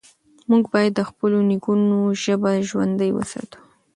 موږ بايد د خپلو نيکونو ژبه ژوندۍ وساتو.